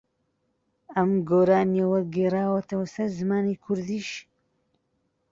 ئەم گۆرانییە وەرگێڕاوەتەوە سەر زمانی کوردیش